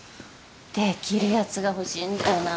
できるやつが欲しいんだよな。